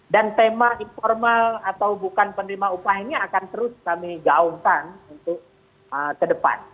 dan tema informal atau bukan penerima upah ini akan terus kami gaungkan untuk ke depan